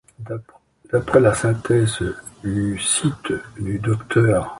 D'après la synthèse du site du Dr.